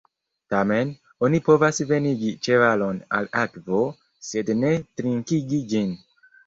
Tamen, oni povas venigi ĉevalon al akvo, sed ne trinkigi ĝin.